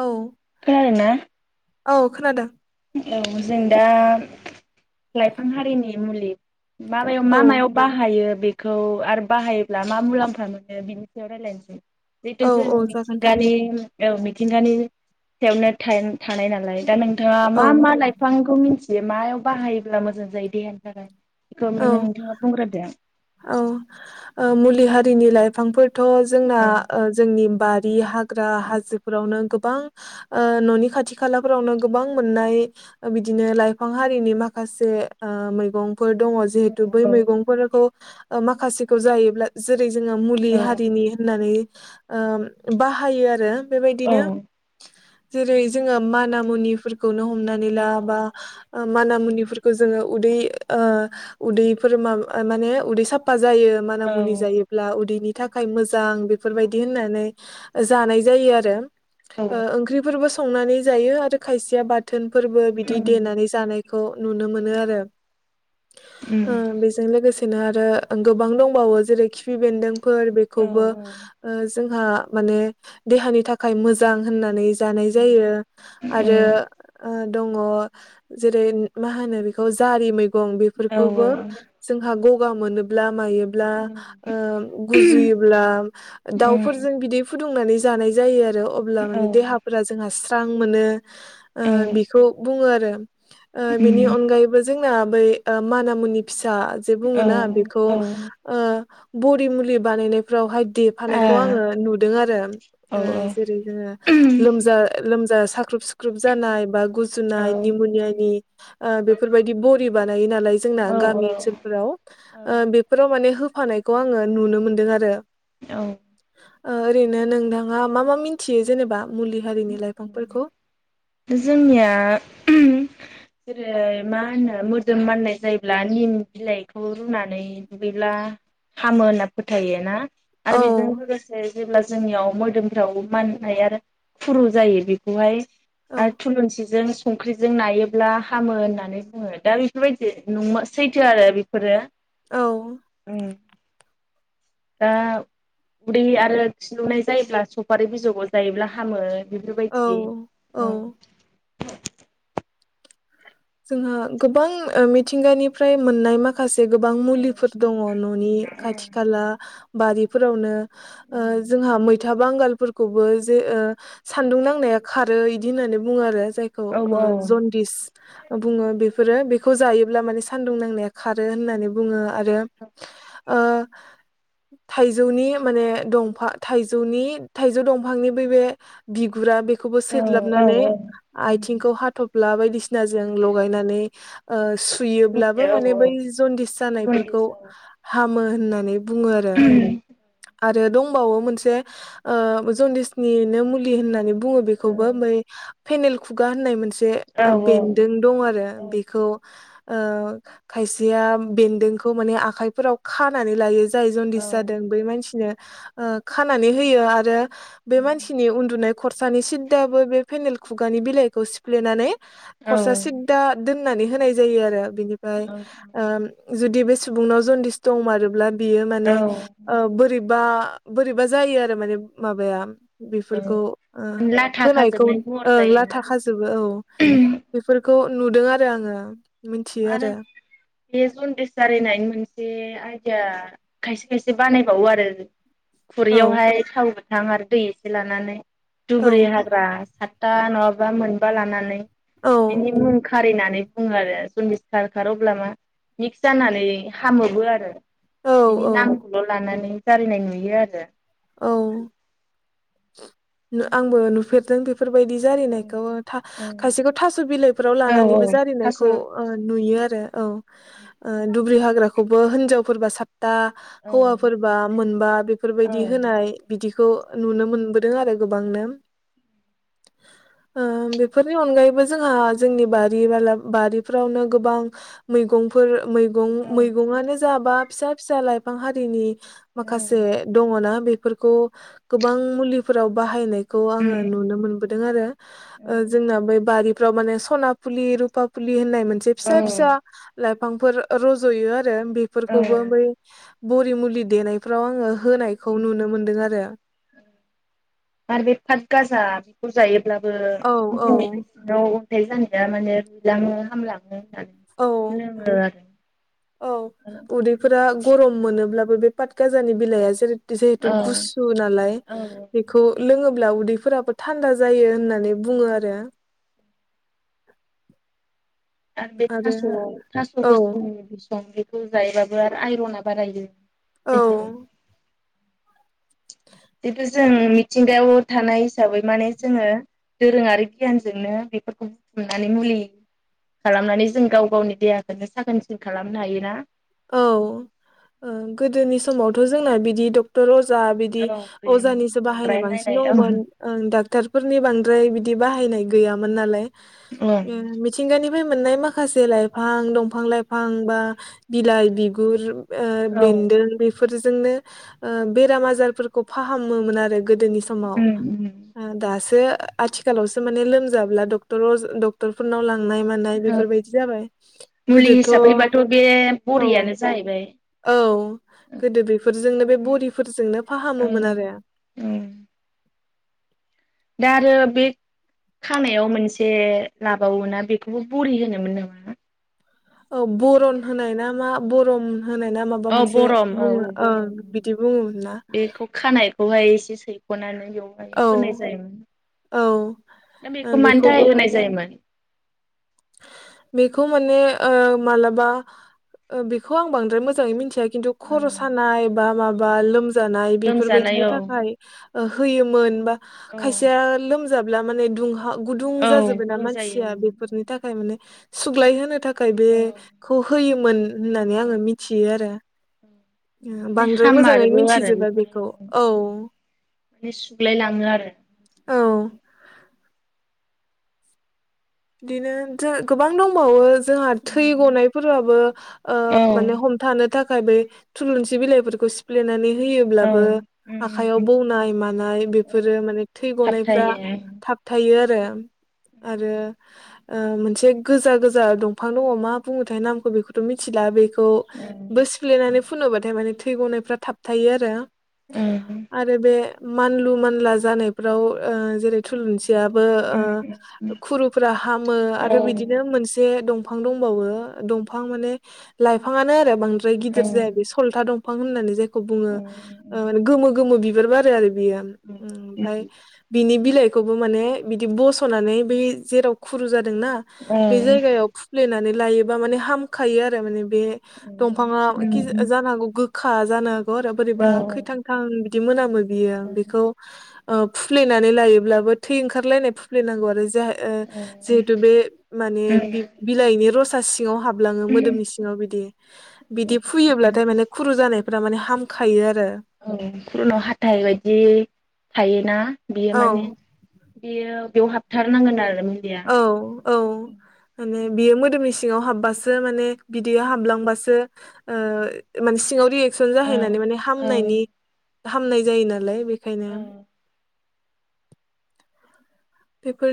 औ। खोनादोंना? औ खोनादों। औ जों दा लाइफां हारिनि मुलि माबायाव औ मा मायाव बाहायो बे बेखौ आरो बाहायोब्ला मा मुलाम्फा मोनो बेनि सायाव रायलायनोसै जेहेतु औ जों औ जागोन दे मिथिंगानि औ मिथिंगानि सायावनो थाइ थानाय नालाय दा नों थांआ औ मा मा लाइफांखौ मिनथि बे मायाव बाहायोब्ला मोजां जायो देहानि थाखाय बेखौ औ नोंथाङा बुंग्रोदो। औ ओ मुलि हारिनि लाइफांफोर थ' जोंना जोंनि बाद दे हाग ग्रा हाजोफोरावनो गो बां ओ न'नि खाथि खालाफोरावनो गोबां मोननाय बिदिनो लाइफां हारिनि माखासे ओ मैगं फोर दङ औ जिहेतु बै मैगंफोरखौ माखासेखौ जायोब्ला जो जेरै जोङो मुलि औ हारिनि होननानै ओ बाहायो आरो औ बेबायदिनो जेरै जोङो माना मुनिफोर खौनो हमनानै ला बा माना मुनिफोरखौ जोङो उदै ओ उदैफोर माबा माने उदै साबफा जायो माना औ मुनि जायोब्ला उदैनि थाखाय मोजां बेफोरबायदि होननानै जानाय जायो आरो। ओ ओंख्रिफोरबो संनानै जायो आरो खायसेया बाथोन फोरबो बिदि देनानै जानाय खौ नुनो मोनो आरो। ओ बेजों लोगोसे दिनो आरो गोबां दंबावो जेरै खिफि बेन्दों फोर बेखौबो ओ जोंहा माने देहानि थाखाय मोजां होननानै जानाय जायो आरो ओ दङ जेरै मा होनो बेखौ जारि मैगं गं औ बेफोरखौबो औ जों गगा मोनोब्ला मायोब्ला ओ गुजुयोब्ला दावफोरजों बिदि फुदुंनानै जानाय जायो आरो अब्ला माने देहाफोरा जोंहा स स्रां मोनो ओ बेखौ बुङो आरो जों ओ बिनि अनगायैबो जों [unintelligible] बै ओ मानामुनि फिसा जे बुङोना बेखौ ओ बरि मुलि बानायनायफोरावहाय देफानायखौ आङो नुदों आरो ओ जोंनिया जेरै जोङो लोमजा लोमजा सा ख्रुब सुख्रुब जानाय बा गुजुनाय निमनियानि ओ बेफोरबायदि ब बि बा लायो नालाय जोंना गामि ओनसो फोराव ओ बेफोराव माने हो होफानायखौ आङो नुनो मोनदों आरो औ ओरैनो नोंथाङा मा मा मिथियो जेनेबा? मुलि हारिनि लाइफांफोरखौ जोंनिया [unintelligible] जेरै मा होनो मोदोम माननाय जायोब्ला निम बिलाइखौ रुनानै दुगैब्ला हामो होनना फोथायो ना? औ आरो बेजों लोगोसे जेब्ला‌ जों जोंनियाव मोदोमफ्राव माननाय आरो खुरु जायो बेखौहाय औ आरो थुलुंसिजों संख्रिजों नायोब्ला हामो होननानै बुङो दा बेफोरबायदि नो सैथो आरो बेफोरो औ दा उदै आरो खिलुनाय जायोब्ला सफारि बिजौखौ जायोब्ला। हामो। औ बेफोरबायदि औ। जोंहा गोबां ओ- मिथिंगानिफ्राय मोननाय माख माखासे गोबां मुलिफोर दङ न'नि खाथि खाला। बारिफोरावनो। ओ-जोंहा मै मैथा बांगालफोरखौबो जे ओ- सान्दुं नांनाया खारो इदि होननानै बुङो आरो। जायखौ औ ओ- औ जनदिस। बुङो बेफोरो बेखौ जायोब्ला माने सान्दुं नांनाया खारो होननानै बुङो। आरो। ओ-थायजौनि माने दफा थायजौनि थायजौ दंफांनि बै बे बिगुरा बे बो औ सेरलाबनानै औ औ आथिंखौ हाथब ब्ला बायदिसिना। जों लगायनानै ओ- सु सुयोब्लाबो माने बै जन्दिस जानायफोरखौ हामो। होननानै। बुङो आरो आरो दं। दंबावो मोनसे ओ- जनदिसनिनो मुलि होननानै बु बुङो बेखौबो ओमबाय। पेनेल खुगा होननाय मोनसे। जे उम। बेन्दों दं आरो बेखौ। ओ- खायसेया बेन्दोंखौ माने आखायफोराव खानानै लायो। जाय जनदिस जादों बै मानसिनो। ओ- खानानै होयो आरो। बे मानसिनि उन्दुनाय। खरसानि सिददाबो बे फेनेल खुगानि बिलाइखौ सिफ्लेनानै। खरसा सिददा दोन होनानै होनाय जायो आरो। बिनिफाय ओम जुद दे बे सुबुंनाव जनदिस दंमारोब्ला। बियो माने ओ- बोरैब -बा बोरैबा जायो आरो माने माबाया बेफोरखौ ओ लाथा होनायखौ खाजोबनाय महर ओं जायोना लाथा खाजोबो औ -खौ श्व नुदों आरो आङो आरो बे जन्दिस जारिनायनि मोनसे आरो [unintelligible] -जिया खायसे खायसे बानायबावो आरो औ खुरैयावहाय थाव गो -गोथां आरो दै एसे लानानै औ दुबुर्रि हाग्रा -साता नङाबा मोनबा लानानै औ बिनि मुं खारिना बुङो आरो सल्लिसथारखारो अब्ला मा मिक्स जानानै हामोबो आरो औ बिनि औ नामखौल' लानानै जारिनाय नुयो आरो औ आंबो नुफेरदों बे बेफोर बायदि जारिनायखौ ओ था खायसेखौ थास बिलाइफोराव आरो औ लानानैबो थास' जारिनायखौ औ ओ नुयो आरो औ ओ दुब्रि हाग्रा हाग्राखौबो हिजावफोरा सात दा उम हौवाफोरबा मोनबा औ बेफोरबायदि बिदि होनाय बिदि खौ नुनो मोनबोदों आरो गोबांनो ओ बेफोरनि अनायैबो जोंहा जोंनि बारि बाला बारिफ्रावनो गोबां मैंगंफोर मैगं मैगंआनो [unintelligible] फिसाबा फिसा फिसा लाइफां हारिनि माखासे ना बेफोरखौ गोबां मुलिफोराव बाहायनाय खौ आङो नुनो मोनदों आरो ओ जोंना बै बारि माने सना पुलि रुपा पुलि होननाय मोनसे औ फिसा फिसा लाइफां बिफांफोर रज'यो आरो आरो बेफोरखौबो बै बरि मुलि देनायफ्राव आङो होनायखौ नुनो मोन्दों आरो [unintelligible] अब्लाबो औ [inaudible] औ हाथाय जानाया माने रुलाङो हामलाङो औ जोंङो औ उदैफोरा गरम मोनोब्लाबो बे पात गाजानि बिलाइआ जेरै जिहेथु औ गुसु नालाय औ बेखौ लोङो अब्ला उदैफोराबो थानदा जायो होननानै बुङो आरो आरो बे थास'आव थास' औ गोसोमनि बि सं बेखौ जायोबाबो आरो आइरना बारायो औ [unintelligible] खिनथु जों मिथिंगायाव थानाय हिसाबै माने जोङो दोरोङारि गियानजोंनो बेफोरखौ बुथुमनानै मुलि खालामनानै जों गाव गावनि देहाखौनो साखोन सिखोन खालामनो हायो ना औ ओ गोदोनि समावथ' जोंना बिदि डक्टर अज अजा बिदि औ गैयामोन। अजानिसो बाहायनाय बांद्राय बांसिन नायनाय दङमोन ओ डाक्टरफोरनि बांद्राय बिदि बाहायनाय गैयामोन नालाय औ ओम मिथिंगानि फ्राय मोननाय माखासे लाइफां, दंफां लाइफां बा बिलाइ बिगुर ओ औ बेन्दों बेफ बेफोरजोंनो ओ बेराम आजारफोरखौ फाहामोमोन आरो गोदोनि समाव उम उम ओ दासो सो आथिखालावसो माने लोमजाब्ला डक्टर अजा डक्टर फोरनावलां लांनाय मानाय औ बेफोरबायदि जाबाय मुलि गोदोथ' हिसाबैबाथ' बे औ बरियानो जाहैबाय। औ गोदो बेफोरजोंनो बे बरिफोरजोंनो औ फाहामोमोन आरो उम दा आरो बे खानायाव मोनसे लाबावोना बेखौबो बरि होनोमोन नामा? अ बरन होनाय ना मा बरन' होनाय ना माबा औ मोनसे बरम औ औ बुङो ब ओं बिदि बुङोमोन ना औ [unintelligible] बेयावहाय औ ओ होनाय बेखौबो जायोमोन बेखौ माने ओ मालाबा बेखौ आं बांद्राय मोजाङै मिथिया खिनथु खर' सानाय बा माबा लोमजानाय बेफोर लोमजानाय बायदिनि औ थाखाय ओ होयोमोन बा औ खायसेया लोम जाब्ला माने दुंहाव हा गुदुं औ जाजोबोना गुदुं जायो मानसिया बेफोरो सुग्लाय होनो थाख थाखाय औ बेखौ होयोमोन होननानै औ आङो मिथियो आरो माने बांद्राय मोजाङै हामारबो आरो मिथिजोबा बेफोरो बेखौ औ माने सुग्लाय लाङो आरो औ बिदिनो जों गोबां दंबावो जोंहा थै गनायफोराबो ओ औ माने हमथानो थाखाय थाखाय बे थुलुंसि बिलाइफोरखौ सिफ्लेनानै औ होयोब्लाबो आखायाव बौनाय मानाय बेफोरो माने थै गनायफोरा थाबथायो थाब थायो आरो। [unintelligible] आरो [unintelligible] ओ मोनसे गोजा गोजा दंफां दङ मा बुङो थाय नामखौ बेखौथ' मिथिला बे औ खौबो सिफ्लेनानै फुनोबाथाय माने थै गनायफ्रा थाब थायो आरो। उम। आरो बे मानलु मानला जानायफ्राव ओ जेरै थुलुंसि रांबो ओ फोरा हामो औ आरो बिदिनो मोनसे दं दंफां दंबावो दंफां माने लाइफांनो बांद्राय औ गिदिर जाया बे सलथा दं फां होननानै जायखौ बुङो ओ माने गोमो गोमो बिबार बारो आरो। बियो औ ओमफ्राय बिनि बिलाइखौबो माने बिदि बस'नानै बै जेराव खुरु जा औ बे जायगायाव खुफ्लेनानै लायोबा माने हामखायो आरो माने बे दंफाङा जानांगौ गो खा जानो आरो बोरैबा औ खैथां थां बिदि मोनामो बियो आं बेखौ औ फुफ्लेनानै लायोब्लाबो थै ओंखारलायनाय फुफ्लैनांगौ आरो जाह ओ औ जिहेटु बे माने बिलाइनि बासि यावहाबलाङो मोदोमनि सिङाव बिदि बिदि फुयोब्लाथाय माने खुरू जानाय फोरा माने हामखायो आरो। औ खुरनाव हाथाय बायदि थायोना बेयो औ माने बियो बेयाव हाबथारनांगोन आरो। मुलिया औ औ ओने। बियो मोदोमनि सिङाव हाब्बासो माने बिदैया हाबलांबासो ओ मोनसिङाव रि [unintelligible] औ जाहैनानै माने औ हामनायनि हामनाय जायो नालाय बे खायनो। औ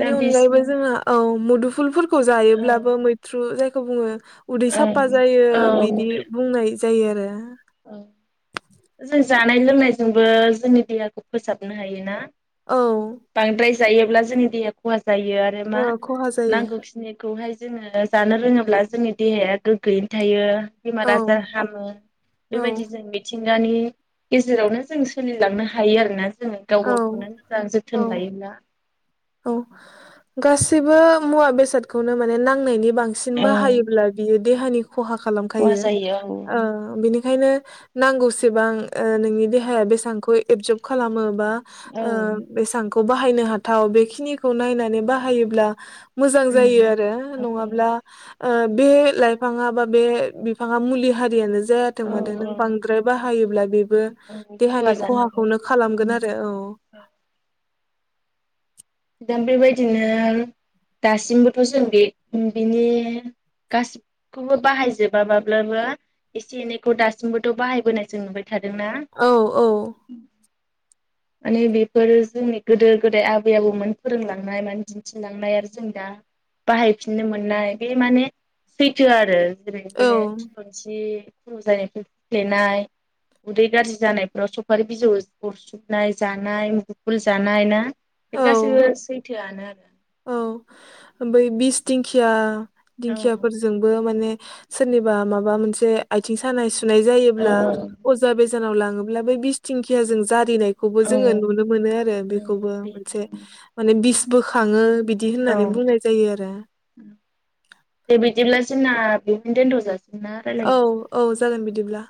दा अनगायैबो बिसिम जोंङो औ। मुदुफुलफोर खौ औ जायोब्लाबो मैथ्रु जाय खौ बुङो। उदै साफा ओं जायो बिदि औ बुंनाय जायो आरो। [inaudible] जानाय लोंनायजोंबो जोंनि देहाखौ फोसाबनो हायोना? औ बांद्राय जायोब्ला जोंनि देहा खहा जायो आरो ओ मा खहा जायो नांगौखिनिखौहाय जोङो दा जानो रोङोब्ला जोंनि देहाया गोग्गोयैनो थायो। बेमार औ आजार हामो। औ बेबायदि जों मिथिंगानि गेजेरावनो जों सोलिलांनो हायो आरोना जोङो गाव औ गावखौनो जा औ जोथोन लायोब्ला। औ गासिबो मुवा बेसादखौनो माने नांनायनि बांसिन बाहायोब्ला बियो देहानि खहा खालामखायो खहा जायो ओ औ बेनि खायनो नांगौसेबां ओ नोंनि देहाया बेसांखौ एबजब खालामो बा ओ बेसां खौ बाहायनो हाथाव बे खिनिखौ नायनानै बाहायोब्ला मोजां जायो उम आरो औ नङाब्ला ओ बे लाइफाङा बा बे बिफाङा मुलि हारियानो जायाथों औ मानो नों औ बांद्राय बाहायोब्ला बेबो औ खहा देहानि जानो हागौ खहाखौनो खालामगोन उम आरो औ। दा बेबायदिनो दासिमबोथ' जों बे बिनि गासिबोखौबो बाहायजोबा माब्लाबा एसे एनैखौ दासिमबोथ' बाहायबोनाय जों नुबाय थादोंना? औ औ माने बेफोर जोंनि गोदो गोदाय आबै आबौ मोन फोरोंलांनाय मान दिन्थिलांनाय आरो जों दा बाहायफिननो मोननाय बे माने सैथो आरो। [inaudible] औ थुलुन्सि। [unintelligible] जायनायफ्राय फ्लेनाय उदै गाज्रि जानायफोराव सफारि बिजौ अरसुबनाय जानाय [unintelligible] जानाय ना। बे औ गासैबो सैथोआनो आरो औ औ बै बिस दिंखिया औ दिंखियाफोरजोंबो माने सोरनिबा माबा मोनसे आयथिं सानाय सु [unintelligible] बे जायोब्ला अजा बेजा [inaudible] लाङोब्ला बै बिसथिंखियाजोंं [unintelligible] रिनायखौबो जोङो नुनो मोनो आरो बेखौबो मोनसे माने बिस बोखाङो बिदि होननानै बुंनाय जायो आरो दे बिदिब्ला जोंना बेहायनो दोनथ'जा औ औ जागोन बिदिब्ला।